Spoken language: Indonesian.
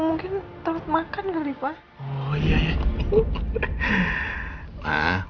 mungkin telat makan kali pak